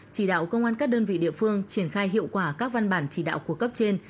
chỉ đạo công an các đơn vị địa phương triển khai hiệu quả các văn bản chỉ đạo của cấp trên